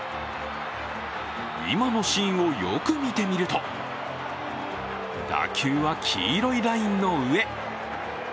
今のシーンをよく見てみると打球は黄色いラインの上。